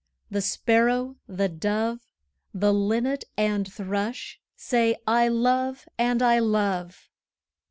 The Sparrow, the Dove, The Linnet and Thrush say, 'I love and I love!'